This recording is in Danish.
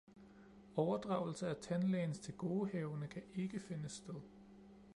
Overdragelse af tandlægens tilgodehavende kan ikke finde sted